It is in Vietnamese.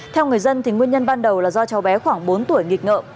theo người dân nguyên nhân ban đầu là do cháu bé khoảng bốn tuổi nghịch ngợ